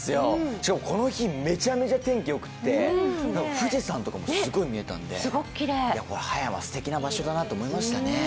しかもこの日、めちゃめちゃ天気よくて富士山とかもすごく見えたんで葉山、すてきな場所だなと思いましたね。